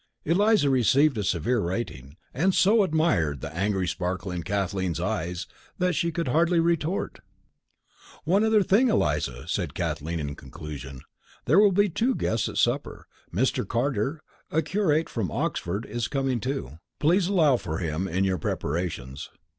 Eliza received a severe rating, and so admired the angry sparkle in Kathleen's eyes that she could hardly retort. "One other thing, Eliza," said Kathleen, in conclusion. "There are to be two guests at supper. Mr. Carter, a curate from Oxford, is coming, too. Please allow for him in your preparations."